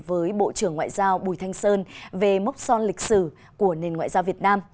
với bộ trưởng ngoại giao bùi thanh sơn về mốc son lịch sử của nền ngoại giao việt nam